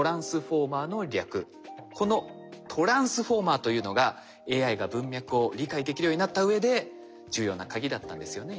このＴｒａｎｓｆｏｒｍｅｒというのがＡＩが文脈を理解できるようになった上で重要なカギだったんですよね井上さん。